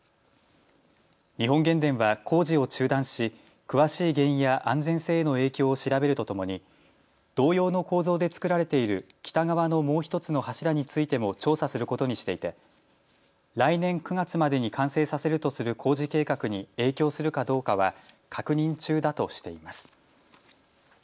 日本原電は工事を中断し詳しい原因や安全性への影響を調べるとともに同様の構造で作られている北側のもう１つの柱についても調査することにしていて来年９月までに完成させるとする工事計画に影響するかどうかは確認中だとしています。